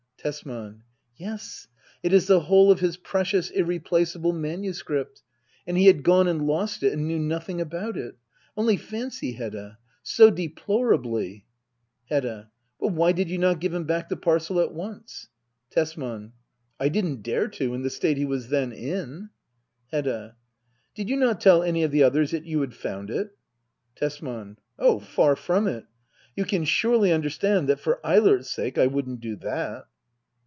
Tesman. Yes, it is the whole of his precious, irreplaceable manuscript ! And he had gone and lost it, and knew nothing about it. Only fancy, Hedda I So deplorably Hedda. But why did you not give him back the parcel at once ? Tesman. I didn't dare to — in the state he was then in Hedda. Did you not tell any of the others that you had found it ? Tesman. Oh, far from it ! You can surely understand that, for Eilert's sake, I wouldn't do that.